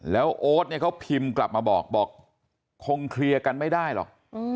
แล้วโอ๊ตเนี่ยเขาพิมพ์กลับมาบอกบอกคงเคลียร์กันไม่ได้หรอก